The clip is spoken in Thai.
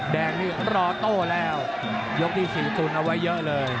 แดงนี่รอโต้แล้วยกที่๔ตุนเอาไว้เยอะเลย